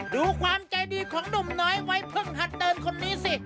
ดูความใจดีของหนุ่มน้อยวัยพึ่งหัดเดินคนนี้สิ